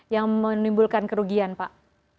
yang menimbulkan kerugian pak